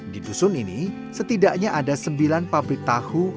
di dusun ini setidaknya ada sembilan pabrik tahu